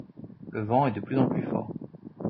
Le vent est de plus en plus fort.